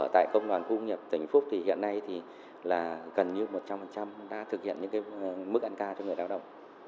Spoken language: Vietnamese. tại công đoàn cung nghiệp tỉnh phúc hiện nay gần như một trăm linh đã thực hiện mức ăn ca cho người đào động